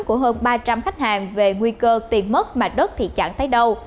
của hơn ba trăm linh khách hàng về nguy cơ tiền mất mặt đất thì chẳng thấy đâu